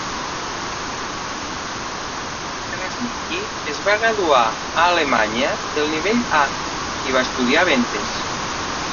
Krasniqi es va graduar a Alemanya del nivell A i va estudiar ventes.